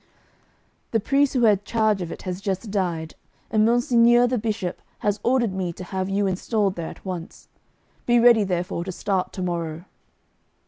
The priest who had charge of it has just died, and Monseigneur the Bishop has ordered me to have you installed there at once. Be ready, therefore, to start to morrow.